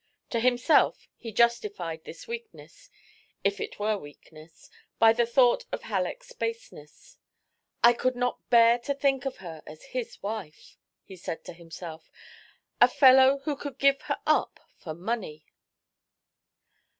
To himself, he justified this weakness if it were weakness by the thought of Halleck's baseness. "I could not bear to think of her as his wife," he said to himself, "a fellow who could give her up for money!"